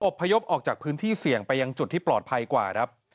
พยพออกจากพื้นที่เสี่ยงไปยังจุดที่ปลอดภัยกว่าครับ